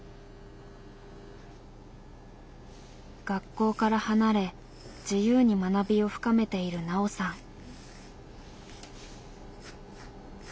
学校から離れ自由に学びを深めているナオさん。